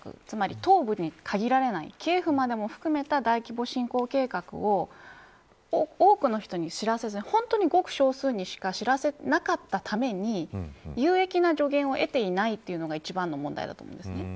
つまり東部に限られないキエフまでも含めた大規模侵攻計画を多くの人に知らせずにほんとにごく少数にしか知らせなかったために有益な助言を得ていないというのが一番の問題だと思います。